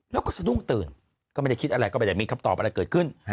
แล้วก็สะดุ้งตื่นก็ไม่ได้คิดอะไรก็ไม่ได้มีคำตอบอะไรเกิดขึ้น